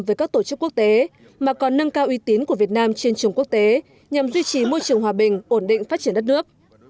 với các tổ chức quốc tế mà còn nâng cao uy tín của việt nam trên trường quốc tế nhằm duy trì môi trường hòa bình ổn định phát triển đất nước